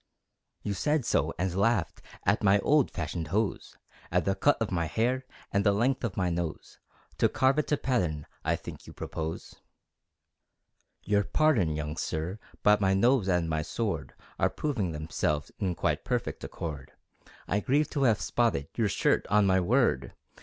You said so, and laughed At my old fashioned hose, At the cut of my hair, At the length of my nose. To carve it to pattern I think you propose. Your pardon, young Sir, But my nose and my sword Are proving themselves In quite perfect accord. I grieve to have spotted Your shirt. On my word!